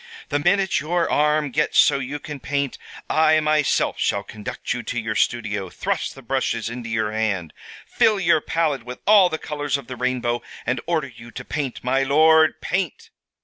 "The minute your arm gets so you can paint, I myself shall conduct you to your studio, thrust the brushes into your hand, fill your palette with all the colors of the rainbow, and order you to paint, my lord, paint!